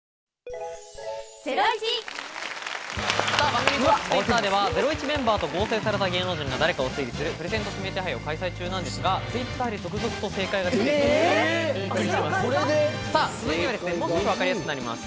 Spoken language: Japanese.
番組公式Ｔｗｉｔｔｅｒでは『ゼロイチ』メンバーと合成された芸能人が誰かを推理するプレゼント指名手配を開催中なんですが、Ｔｗｉｔｔｅｒで続々と正解が出ています。